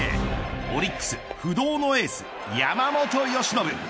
オリックス、不動のエース山本由伸。